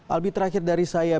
albi terakhir dari saya